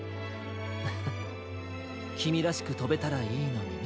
フフきみらしくとべたらいいのにね。